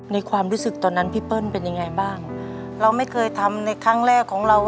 ความรู้สึกตอนนั้นพี่เปิ้ลเป็นยังไงบ้างเราไม่เคยทำในครั้งแรกของเรา